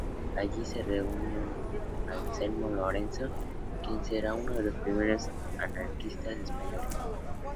Allí se reúne con Anselmo Lorenzo, quien será uno de los primeros anarquistas españoles.